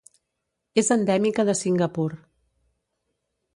És endèmica de Singapur.